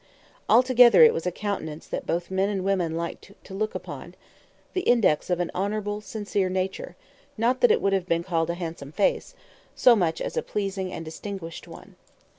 Altogether it was a countenance that both men and women liked to look upon the index of an honorable, sincere nature not that it would have been called a handsome face, so much as a pleasing and a distinguished one.